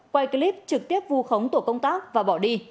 quay clip trực tiếp vu khống tổ công tác và bỏ đi